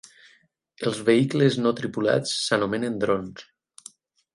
Els vehicles no tripulats s'anomenen drons.